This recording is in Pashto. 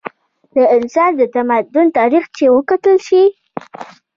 د انسان د تمدن تاریخ چې وکتلے شي